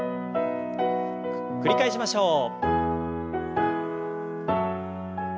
繰り返しましょう。